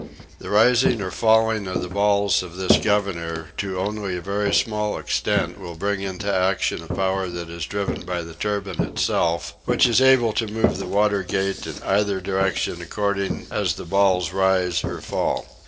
The rising or falling of the balls of this governor to only a very slight extent will bring into action a power that is driven by the turbine itself, which is able to move the water gate in either direction according as the balls rise or fall.